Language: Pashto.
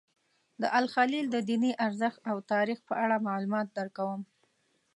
د الخلیل د دیني ارزښت او تاریخ په اړه معلومات درکوم.